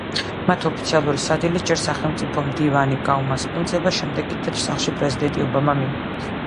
მათ ოფიციალური სადილით ჯერ სახელმწიფო მდივანი გაუმასპინძლდება, შემდეგ კი თეთრ სახლში პრეზიდენტი ობამა მიიღებს.